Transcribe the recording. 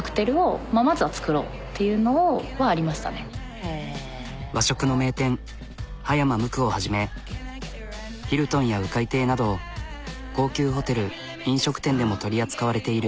何か和食の名店葉山無垢をはじめヒルトンやうかい亭など高級ホテル飲食店でも取り扱われている。